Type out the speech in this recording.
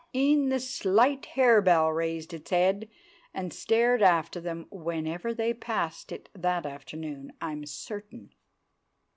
E'en the slight harebell raised its head and stared after them whenever they passed it that afternoon, I'm certain.